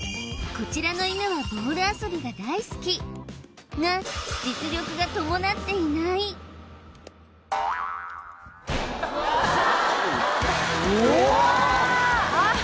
こちらの犬はボール遊びが大好きが実力が伴っていないおおうわ！